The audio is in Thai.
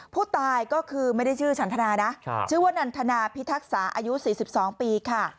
ผู้ตายก็คือไม่ได้ชื่อฉันทนานะชื่อว่านันทนาพิทักษาอายุ๔๒ปีค่ะ